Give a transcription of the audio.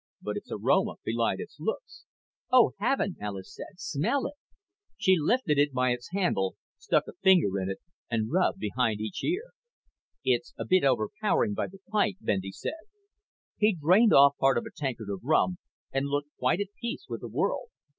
But its aroma belied its looks. "Oh, heaven!" Alis said. "Smell it!" She lifted it by its handle, stuck a finger in it and rubbed behind each ear. "It's a bit overpowering by the pint," Bendy said. He'd drained off part of a tankard of rum and looked quite at peace with the world.